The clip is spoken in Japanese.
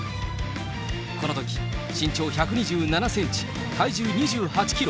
このとき、身長１２７センチ、体重２８キロ。